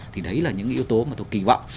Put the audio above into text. thì đấy là những yếu tố mà tôi kỳ vọng